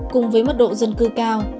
cùng với mất độ dân cư cao